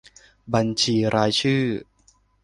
บัญชีรายชื่อ